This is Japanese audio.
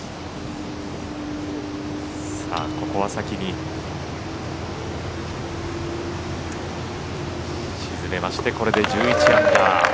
ここは先に沈めましてこれで１１アンダー。